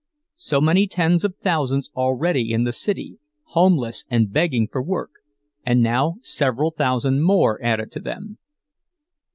So many tens of thousands already in the city, homeless and begging for work, and now several thousand more added to them!